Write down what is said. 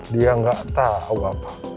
dia gak tau apa